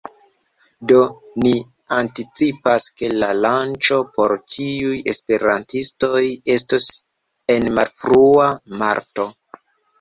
Do, ni anticipas, ke la lanĉo por ĉiuj esperantistoj estos en malfrua marto